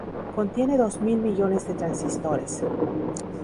Contiene dos mil millones de transistores.